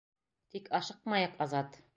Тик ашыҡмайыҡ, Азат.